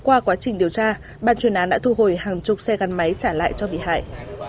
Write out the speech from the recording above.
qua quá trình điều tra ban chuyên án đã thu hồi hàng chục xe gắn máy trả lại cho bị hại